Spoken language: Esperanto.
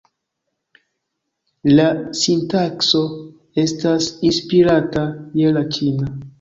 La sintakso estas inspirata je la ĉina.